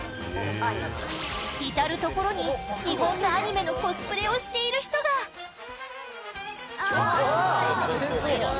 至る所に、日本のアニメのコスプレをしている人がすごい！